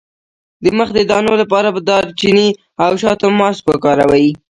د مخ د دانو لپاره د دارچینی او شاتو ماسک وکاروئ